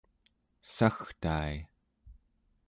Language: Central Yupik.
sagtai